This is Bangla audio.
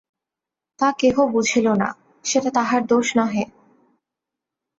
তা কেহ বুঝিল না, সেটা তাহার দোষ নহে।